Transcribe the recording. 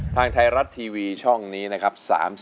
ทางไทยรัฐทีวีช่องนี้นะครับ